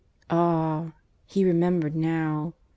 Ah! he remembered now.